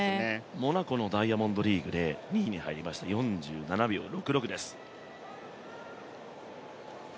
モナコのダイヤモンドリーグで２位に入りました、４７秒６６です。